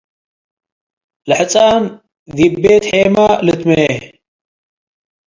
ለሕጻን ዲብ ቤት-ሔመ ልትመዬ ።